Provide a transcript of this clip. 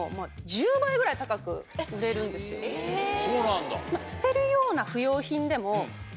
そうなんだ。